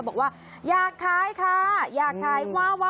บอกว่าอยากขายค่ะอยากขายว่าวะ